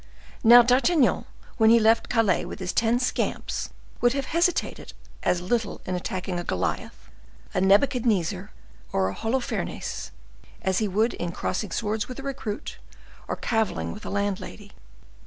Now, D'Artagnan, when he left Calais with his ten scamps, would have hesitated as little in attacking a Goliath, a Nebuchadnezzar, or a Holofernes, as he would in crossing swords with a recruit or caviling with a land lady.